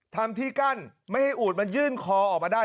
ทำที่กั้นไม่ให้อูดมันยื่นคอออกมาได้